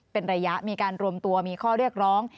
เป็นระยะมีการรวมตัวมีข้อเรียกร้อง